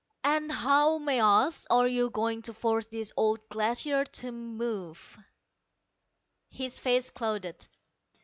"And how, may I ask, are you going to force this old Glacier to move." His face clouded.